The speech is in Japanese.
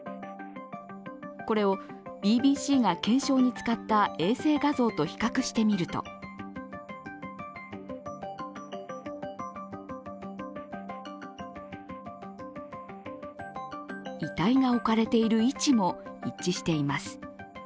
これをＢＢＣが検証に使った衛星画像と比較してみると遺体が置かれている位置も一致しています。